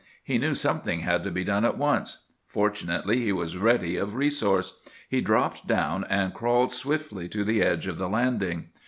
He knew something had to be done at once. Fortunately he was ready of resource. He dropped down, and crawled swiftly to the edge of the landing.